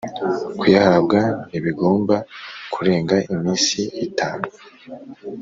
Kuyahabwa ntibigomba kurenga iminsi itanu